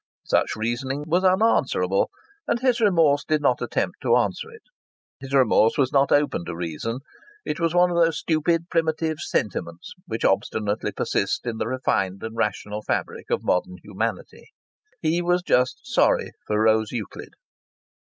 Such reasoning was unanswerable, and his remorse did not attempt to answer it. His remorse was not open to reason; it was one of those stupid, primitive sentiments which obstinately persist in the refined and rational fabric of modern humanity. He was just sorry for Rose Euclid.